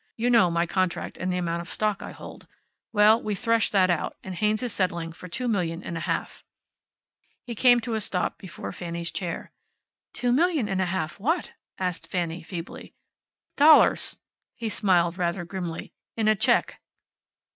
You know my contract and the amount of stock I hold. Well, we threshed that out, and Haynes is settling for two million and a half." He came to a stop before Fanny's chair. "Two million and a half what?" asked Fanny, feebly. "Dollars." He smiled rather grimly. "In a check."